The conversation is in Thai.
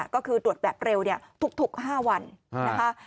ก็คือตรวจแบบเร็วทุก๕วันนะคะ